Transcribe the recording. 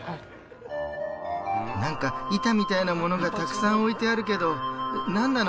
なんか板みたいなものがたくさん置いてあるけどなんなの？